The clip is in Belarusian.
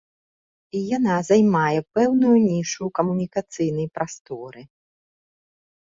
І яна займае пэўную нішу ў камунікацыйнай прасторы.